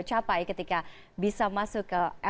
capai ketika bisa masuk ke